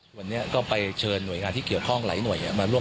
สามารถทำได้แน่นอนนะครับ